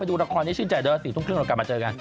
ไปดูละครนี้ชื่นใจเดิน๔๓๐นเรากลับมาเจอกัน